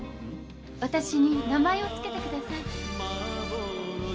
私に名前をつけてください〕